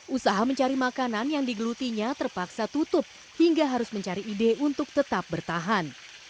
usaha mencari makanan yang digelutinya terpaksa tutup hingga harus mencari ide untuk tetap bertahan